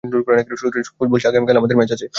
Suresh, coach বলছে আগামীকাল আমাদের ম্যাচ আছে।